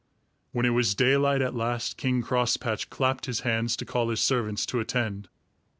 When it was daylight at last, King Crosspatch clapped his hands to call his servants to attend.